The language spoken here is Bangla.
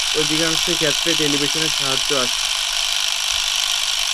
অধিকাংশ ক্ষেত্রেই টেলিভিশনের সাহায্যে আসে।